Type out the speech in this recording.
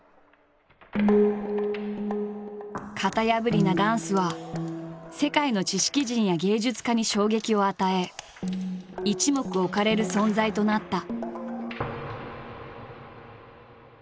型破りなダンスは世界の知識人や芸術家に衝撃を与え一目置かれる存在となった。